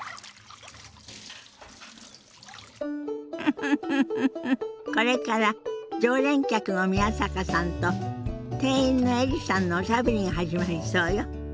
フフフフこれから常連客の宮坂さんと店員のエリさんのおしゃべりが始まりそうよ。